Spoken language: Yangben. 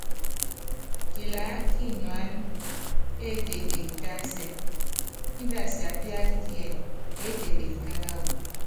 Kilaá kinyuána étekenyi tásɛ, índɛ asiapíaka kíɛ eétekenyi kákáwɔ.